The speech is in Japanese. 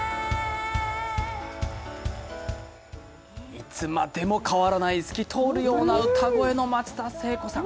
いつまでも変わらない透き通るような歌声の聖子さん。